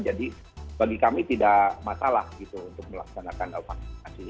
jadi bagi kami tidak masalah itu untuk melaksanakan vaksinasi ini